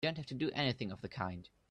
You don't have to do anything of the kind!